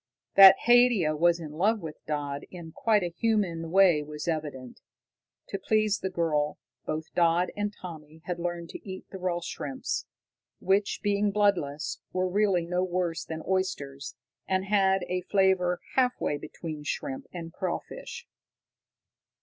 That Haidia was in love with Dodd in quite a human way was evident. To please the girl, both Dodd and Tommy had learned to eat the raw shrimps, which, being bloodless, were really no worse than oysters, and had a flavor half way between shrimp and crawfish.